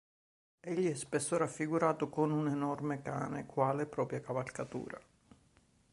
Egli è spesso raffigurato con un enorme cane quale propria cavalcatura.